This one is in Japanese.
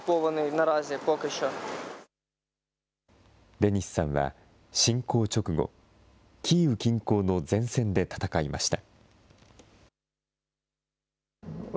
デニスさんは侵攻直後、キーウ近郊の前線で戦いました。